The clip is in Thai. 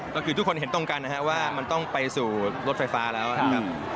ก็คือทุกคนเห็นตรงกันนะครับว่ามันต้องไปสู่รถไฟฟ้าแล้วนะครับ